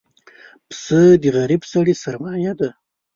پسه د غریب سړي سرمایه ده.